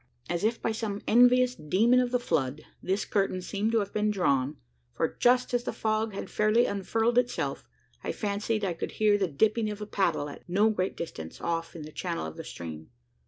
As if by some envious demon of the flood, this curtain seemed to have been drawn: for, just as the fog had fairly unfurled itself, I fancied I could hear the dipping of a paddle at no great distance off in the channel of the stream.